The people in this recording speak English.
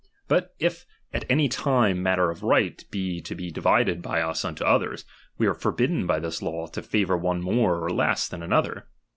But if at any time matter of right be to be divided by us unto others, we are forbidden by this law to favour one more oi" less than another.